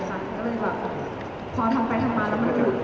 เราเลยพอทำไปทำมาแล้วมันยึด